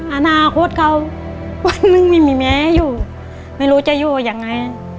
อนาคตเขาวันหนึ่งไม่มีแม้อยู่ไม่รู้จะอยู่ยังไง